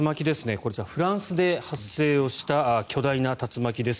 これはフランスで発生した巨大な竜巻です。